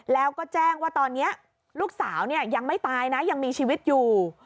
แล้วก็แจ้งว่าตอนนี้ลูกสาวยังไม่ตายนะยังมีชีวิตอยู่